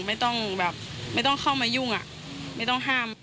ไม่ต้องแบบไม่ต้องเข้ามายุ่งอ่ะไม่ต้องห้าม